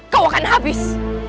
kau akan habis